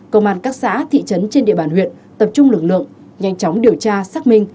công an các xã thị trấn trên địa bàn huyện tập trung lực lượng nhanh chóng điều tra xác minh